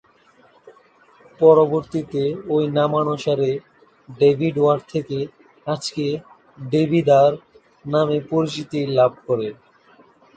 পরবর্তীতে ওই নামানুসারে ডেভিড ওয়ার থেকে আজকের দেবিদ্বার নামে পরিচিতি লাভ করে।